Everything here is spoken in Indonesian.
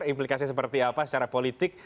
implikasi seperti apa secara politik